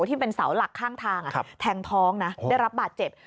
ที่เป็นเสาหลักข้างทางแทงท้องนะได้รับบาดเจ็บ